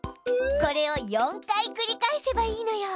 これを４回繰り返せばいいのよ。